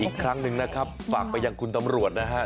อีกครั้งหนึ่งนะครับฝากไปยังคุณตำรวจนะฮะ